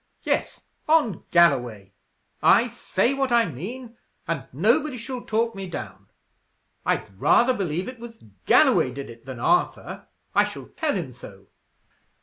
Yes, on Galloway. I say what I mean, and nobody shall talk me down. I'd rather believe it was Galloway did it than Arthur. I shall tell him so."